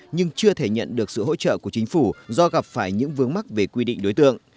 nhưng chưa thể nhận được sự hỗ trợ của chính phủ do gặp phải những vướng mắt về quy định đối tượng